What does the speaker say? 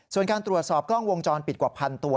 ส่วนการตรวจสอบกล้องวงจรปิดกว่าพันตัว